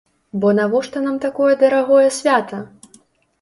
Бо навошта нам такое дарагое свята?